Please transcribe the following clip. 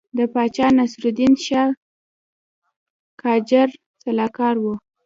د پاچا ناصرالدین شاه قاجار سلاکار وو.